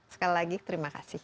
sekali lagi terima kasih